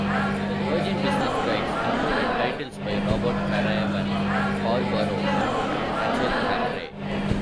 Virgin Business Guides included titles by Robert Craven, Paul Barrow and Rachelle Thackray.